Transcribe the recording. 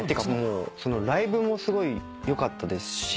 そのライブもすごい良かったですし